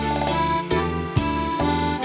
ขอบคุณครับ